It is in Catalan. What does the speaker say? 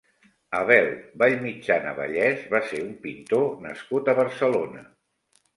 Abel Vallmitjana Vallés va ser un pintor nascut a Barcelona.